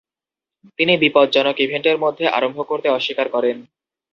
তিনি বিপজ্জনক ইভেন্টের মধ্যে আরম্ভ করতে অস্বীকার করেন।